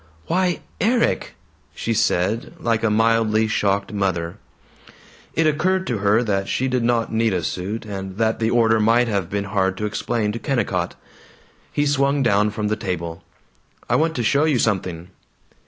"Why, Erik!" she said, like a mildly shocked mother. It occurred to her that she did not need a suit, and that the order might have been hard to explain to Kennicott. He swung down from the table. "I want to show you something."